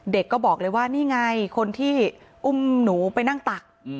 เด็กก็บอกเลยว่านี่ไงคนที่อุ้มหนูไปนั่งตัก